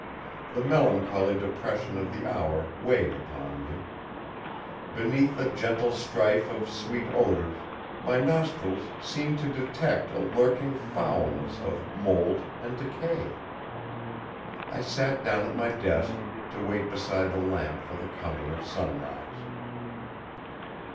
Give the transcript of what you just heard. The melancholy depression of the hour weighed upon me. Beneath the gentle strife of sweet odors, my nostrils seemed to detect a lurking foulness of mould and decay. I sat down at my desk, to wait beside the lamp for the coming of sunrise.